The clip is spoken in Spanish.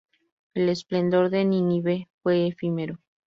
El esplendor de Nínive fue efímero.